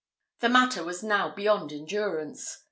The matter was now beyond endurance.